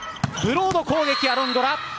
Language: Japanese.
ブロード攻撃、アロンドラ。